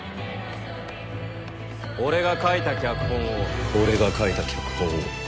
俺が書いた脚本を俺が書いた脚本を。